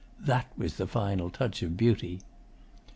That was the final touch of beauty.